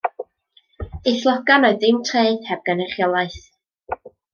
Eu slogan oedd dim treth heb gynrychiolaeth.